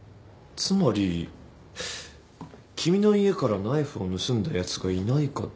つまり君の家からナイフを盗んだやつがいないかどうかってこと？